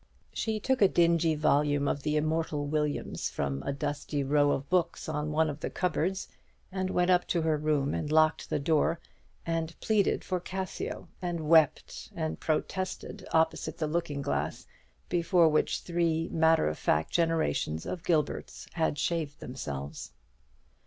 She took a dingy volume of the immortal William's from a dusty row of books on one of the cupboards, and went up to her room and locked the door, and pleaded for Cassio, and wept and protested opposite the looking glass, before which three matter of fact generations of Gilberts had shaved themselves.